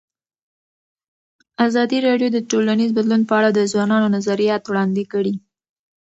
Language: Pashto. ازادي راډیو د ټولنیز بدلون په اړه د ځوانانو نظریات وړاندې کړي.